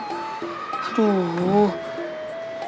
waktu aku daftar sekolah di sini aja